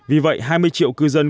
vì vậy hai mươi triệu cư dân